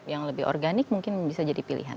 yang lebih organik mungkin bisa jadi pilihan